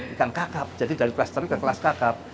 ikan kakap jadi dari kelola seri ke kelola kakap